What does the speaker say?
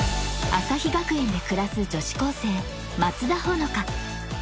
あさひ学園で暮らす女子高生松田穂香